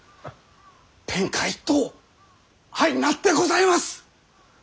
天下一統相なってございます！